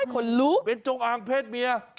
เมตรจงอ่างเพศเมีย